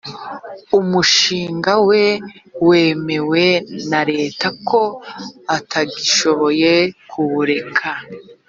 umushinga we wemewe na leta ko atagishoboye kuwureka